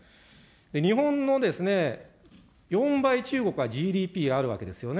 日本の４倍、中国はＧＤＰあるわけですよね。